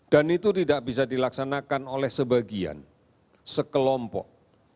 dan itu tidak bisa dilaksanakan oleh sebagian sekelompok